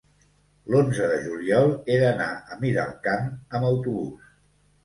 l'onze de juliol he d'anar a Miralcamp amb autobús.